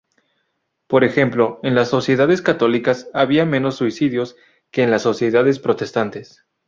Por ejemplo, en las sociedades católicas había menos suicidios que en las sociedades protestantes.